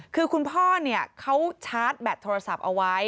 คือคุณพ่อเขาชาร์จแบตโทรศัพท์เอาไว้